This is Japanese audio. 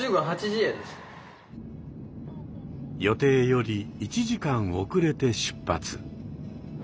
予定より１時間遅れて出発。